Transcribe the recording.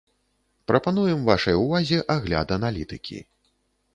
Прапануем вашай увазе агляд аналітыкі.